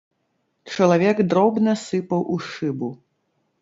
Чалавек дробна сыпаў у шыбу.